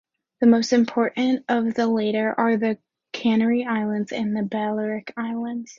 The most important of the latter are the Canary Islands and the Balearic Islands.